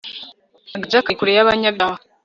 agakiza kari kure y'abanyabyaha